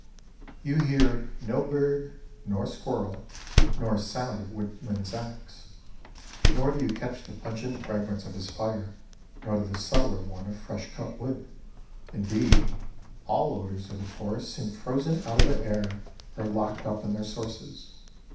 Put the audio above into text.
You hear no bird nor squirrel nor sound of woodman's axe, nor do you catch the pungent fragrance of his fire nor the subtler one of fresh cut wood. Indeed, all odors of the forest seem frozen out of the air or locked up in their sources.